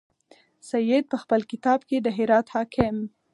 سید په خپل کتاب کې د هرات حاکم.